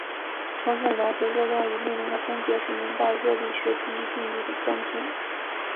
充分了解热量与内能的分别是明白热力学第一定律的关键。